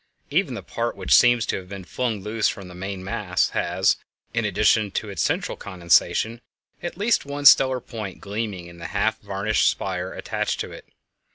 Even the part which seems to have been flung loose from the main mass has, in addition to its central condensation, at least one stellar point gleaming in the half vanished spire attached to it.